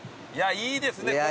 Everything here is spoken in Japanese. いやいいですね